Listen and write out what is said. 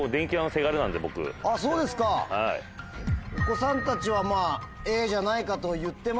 お子さんたちはＡじゃないかと言ってますが。